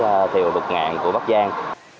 vải thiều lục ngạn của bắc giang